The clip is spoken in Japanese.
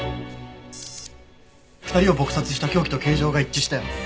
２人を撲殺した凶器と形状が一致したよ。